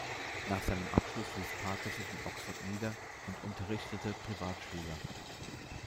Nach seinem Abschluss ließ Pater sich in Oxford nieder und unterrichtete Privatschüler.